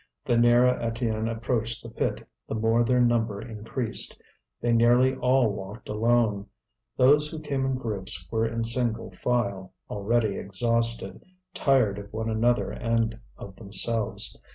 The nearer Étienne approached the pit the more their number increased. They nearly all walked alone; those who came in groups were in single file, already exhausted, tired of one another and of themselves.